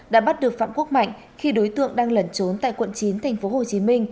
đã bắt được phạm quốc mạnh khi đối tượng đang lẩn trốn tại quận chín tp hcm